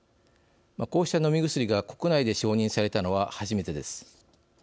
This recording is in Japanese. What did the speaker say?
こうした飲み薬が国内で承認されたのは初めてです。